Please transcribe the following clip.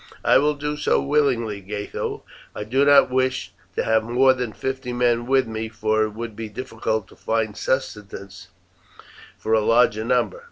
"I will do so willingly, Gatho. I do not wish to have more than fifty men with me, for it would be difficult to find subsistence for a larger number.